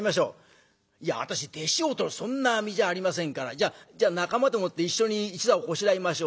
「いや私弟子をとるそんな身じゃありませんからじゃあ仲間でもって一緒に一座をこしらえましょう」